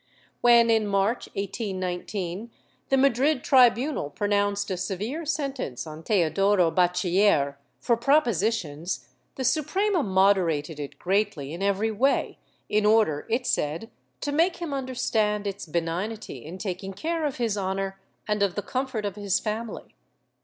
When, in March, 1819, the Madrid tribunal pronounced a severe sentence on Teodoro Bachiller, for propo sitions, the Suprema moderated it greatly in every way, in order, it said, to make him understand its benignity in taking care of his honor and of the comfort of his family.